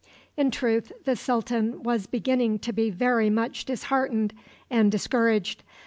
In truth, the sultan was beginning to be very much disheartened and discouraged.